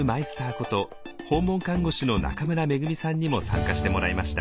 こと訪問看護師の中村恵さんにも参加してもらいました。